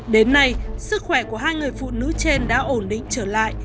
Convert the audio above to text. đến nay sức khỏe của hai người phụ nữ trên đã ổn định trở lại